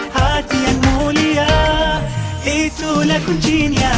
hati yang mulia itulah kuncinya